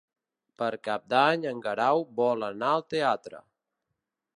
Per Cap d'Any en Guerau vol anar al teatre.